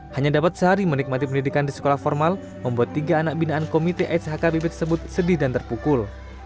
hanya dapat sehari menikmati pendidikan di sekolah formal membuat tiga anak binaan komite aids hkbp tersebut sedih dan terpukul